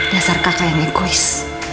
dasar kakak yang ekois